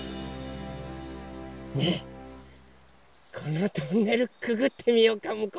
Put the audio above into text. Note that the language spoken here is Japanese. ねえこのトンネルくぐってみようかむこうまで。